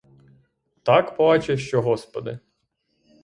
Так плаче, що господи!